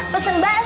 pesan bakso lah